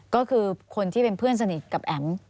ก็คือคนที่เป็นเพื่อนสนิทกับแอ๋ม